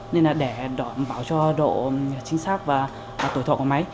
nên là để bảo cho độ chính xác và tổi thọ của máy